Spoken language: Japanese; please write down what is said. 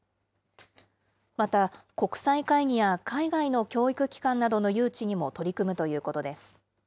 また国際会議や海外の教育機関などの誘致にも取り組むということです。